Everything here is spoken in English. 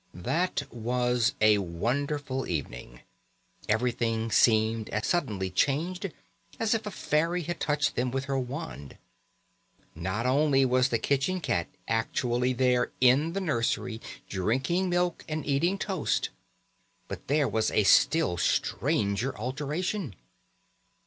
That was a wonderful evening. Everything seemed as suddenly changed as if a fairy had touched them with her wand. Not only was the kitchen cat actually there in the nursery, drinking milk and eating toast, but there was a still stranger alteration.